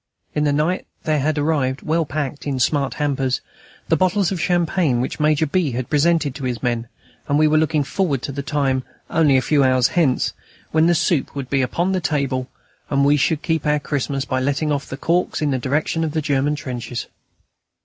In the night there had arrived, well packed in smart hampers, the bottles of champagne which Major B. had presented to his men, and we were looking forward to the time, only a few hours hence, when the soup would be upon the table, and we should keep our Christmas by letting off the corks in the direction of the German trenches.